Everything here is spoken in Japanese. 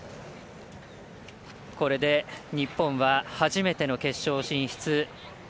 これで日本は初めての決勝進出。